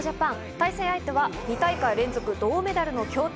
対戦相手は２大会連続、銅メダルの強敵